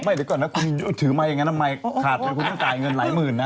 เดี๋ยวก่อนนะคุณถือมาอย่างนั้นทำไมขาดเลยคุณต้องจ่ายเงินหลายหมื่นนะ